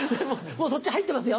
もうそっち入ってますよ。